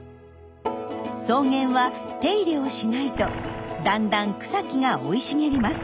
草原は手入れをしないとだんだん草木が生い茂ります。